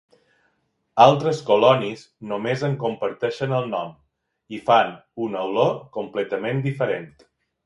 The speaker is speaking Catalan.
Altres colònies només en comparteixen el nom i fan una olor completament diferent.